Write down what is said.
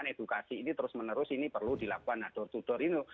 edukasi ini terus menerus perlu dilakukan